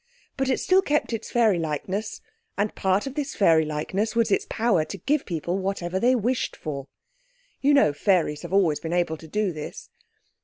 But it still kept its fairylikeness, and part of this fairylikeness was its power to give people whatever they wished for. You know fairies have always been able to do this.